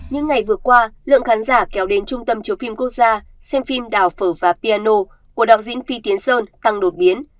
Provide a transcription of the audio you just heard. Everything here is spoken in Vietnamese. những ngày vừa qua lượng khán giả kéo đến trung tâm chiếu phim quốc gia xem phim đào phở và piano của đạo diễn phi tiến sơn tăng đột biến